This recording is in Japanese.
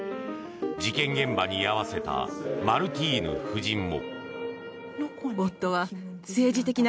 事件現場に居合わせたマルティーヌ夫人も。